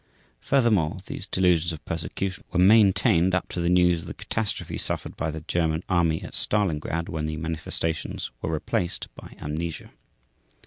Furthermore, these delusions of persecution were maintained up to the news of the catastrophe suffered by the German Army at Stalingrad when the manifestations were replaced by amnesia.